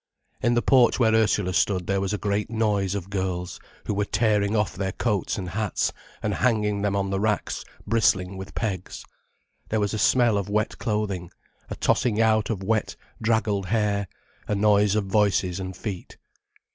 In the porch where Ursula stood there was a great noise of girls, who were tearing off their coats and hats, and hanging them on the racks bristling with pegs. There was a smell of wet clothing, a tossing out of wet, draggled hair, a noise of voices and feet.